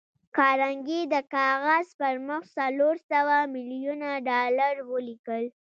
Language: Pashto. کارنګي د کاغذ پر مخ څلور سوه ميليونه ډالر ولیکل